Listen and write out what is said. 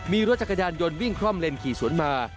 มีรถจักรยานยนต์วิ่งคล่อมเลนขี่สวนมา